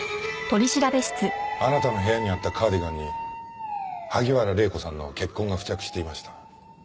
あなたの部屋にあったカーディガンに萩原礼子さんの血痕が付着していました。